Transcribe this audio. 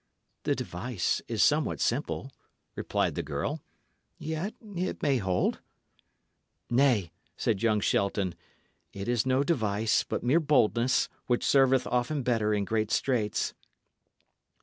"The device is somewhat simple," replied the girl, "yet it may hold." "Nay," said young Shelton, "it is no device, but mere boldness, which serveth often better in great straits."